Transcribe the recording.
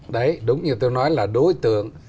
đấy đúng như tôi nói là đối tượng